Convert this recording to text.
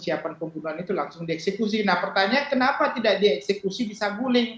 siapan pembunuhan itu langsung dieksekusi nah pertanyaan kenapa tidak dieksekusi bisa guling